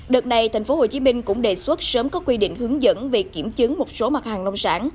đợt này tp hcm cũng đề xuất sớm có quy định hướng dẫn về kiểm chứng một số mặt hàng nông sản